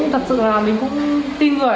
thật sự là mình cũng tin người